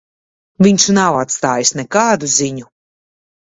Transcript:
Viņš nav atstājis nekādu ziņu.